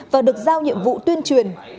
và được giao nhiệm vụ tuyên truyền